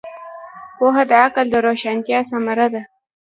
پوهه د عقل د روښانتیا ثمره ده.